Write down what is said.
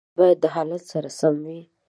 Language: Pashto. د سړک سرعت باید د حالت سره سم وي.